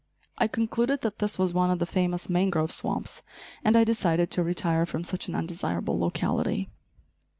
I concluded that this was one of the famous mangrove swamps, and I decided to retire from such an undesirable locality.